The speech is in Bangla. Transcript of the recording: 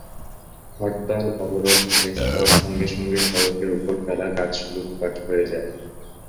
হরতাল-অবরোধ শেষ হওয়ার সঙ্গে সঙ্গে সড়কের ওপরে ফেলা গাছ লুটপাট হয়ে যায়।